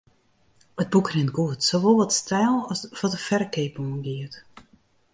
It boek rint goed, sawol wat styl as wat de ferkeap oangiet.